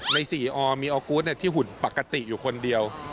ใน๔อมีออกูธที่หุ่นปกติอยู่คนเดียว